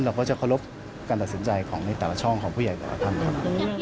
เราก็จะเคารพการตัดสินใจของในแต่ละช่องของผู้ใหญ่แต่ละท่านครับ